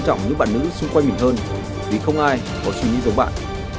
mình mong những bạn nữ xung quanh mình hơn vì không ai có suy nghĩ giống bạn